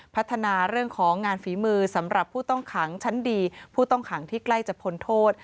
พัฒนาเรื่องของงานฝีมือสำหรับผู้ต้องขังชั้นดีผู้ต้องขังที่ใกล้จะพ้นโทษ